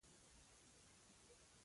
مخ په وړاندې روان وو.